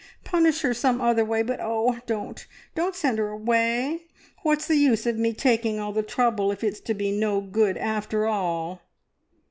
Punish her some other way, but oh, don't, don't send her away! What's the use of me taking all the trouble if it's to be no good after all?"